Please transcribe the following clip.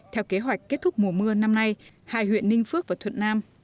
theo kế hoạch kết thúc mùa mưa năm nay hai huyện ninh phước và thuận nam